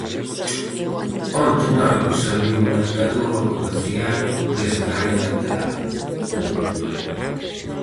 Onte Marcos abriu o marcador ao cabecear desde a área lateral.